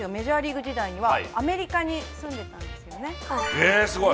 えすごい。